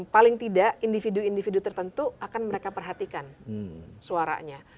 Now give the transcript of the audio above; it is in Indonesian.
paling tidak individu individu tertentu akan mereka perhatikan suaranya